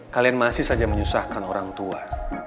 kalian masih saja menyusahkan orang tua